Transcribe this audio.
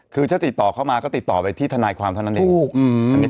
คือถ้าติดต่อเข้ามาก็ติดต่อไปที่ทนายความเท่านั้นเอง